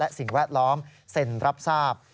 และสิ่งแวดล้อมเซ็นรับทราบ